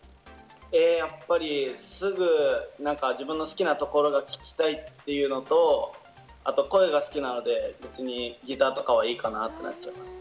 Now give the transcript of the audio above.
やっぱり、すぐ自分の好きなところを聴きたいっていうのと、あと声が好きなので別にギターとかはいいかなって感じです。